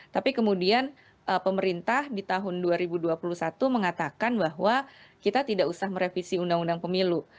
tapi kemudian pemerintah di tahun dua ribu dua puluh satu mengatakan bahwa kita tidak usah merevisi undang undang pemilu